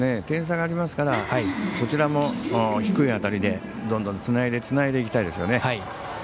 点差がありますからどちらも低い当たりでどんどんつないでいきたいですよね。